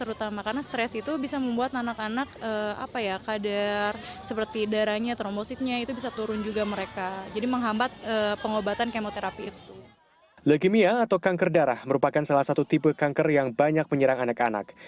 leukemia atau kanker darah merupakan salah satu tipe kanker yang banyak menyerang anak anak